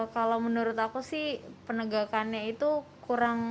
kalau menurut aku sih penegakannya itu kurang